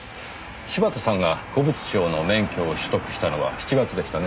柴田さんが古物商の免許を取得したのは７月でしたね？